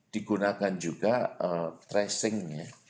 digunakan juga tracing nya